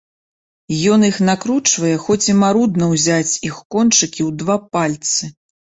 Ён іх накручвае, хоць і марудна ўзяць іх кончыкі ў два пальцы.